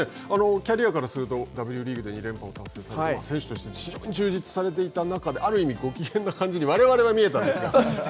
キャリアからすると、Ｗリーグで選手として非常に充実されていた中で、ある意味、ご機嫌な感じにわれわれには見えたんですが。